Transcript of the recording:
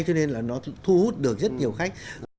cho nên là nó thu hút được rất nhiều khách